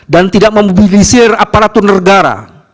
dan tidak memobilisir aparatur negara